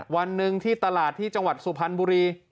วันหนึ่งที่ตลาดที่จังหวัดสุพรรณบุรี